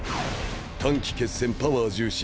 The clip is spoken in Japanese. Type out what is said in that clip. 短期決戦パワー重視